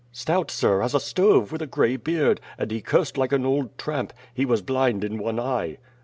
"Stout, sir, as a stove, with a gray beard, and he cursed like an old tramp. He was blind in one eye."